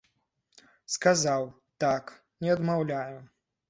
Сказаў, так, не адмаўляю.